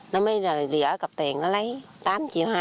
nó mới rời đi ở cặp tiền nó lấy tám triệu hai